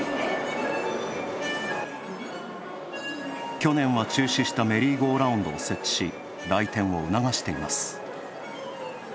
去年は中止したメリーゴーラウンドを設置し来店を促しています。